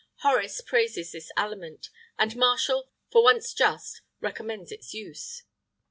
[IX 39] Horace praises this aliment;[IX 40] and Martial, for once just, recommends its use.